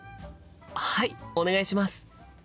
はいお願いします！